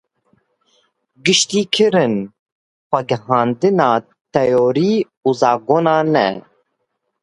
Giştîkirin, xwegihandina teorî û zagonan e.